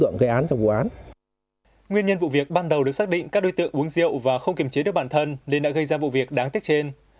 nguyên nhân vụ việc ban đầu được xác định các đối tượng uống rượu và không kiềm chế được bản thân nên đã gây ra vụ việc đáng tiếc trên